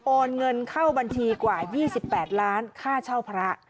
โอนเงินเข้าบัญชีกว่ายี่สิบแปดล้านค่าเช่าพระ